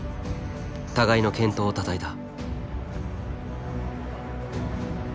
互いの健闘をたたえた。